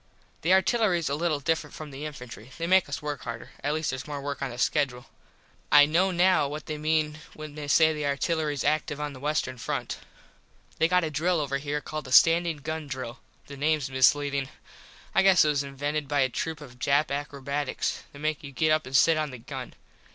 The artillerys a little different from the infantry. They make us work harder. At least theres more work on the skedule. I know now what they mean when they say that the "artillerys active on the western front." They got a drill over here called the standin gun drill. The names misleadin. I guess it was invented by a troop of Jap akrobats. They make you get up and sit on the gun.